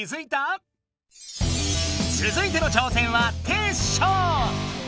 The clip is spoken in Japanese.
続いての挑戦はテッショウ！